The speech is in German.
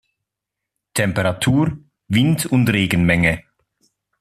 Temperatur, Wind und Regenmenge.